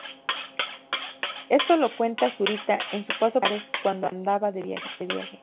Esto lo cuenta Zurita, en su paso por esos lares, cuando andaba de viaje.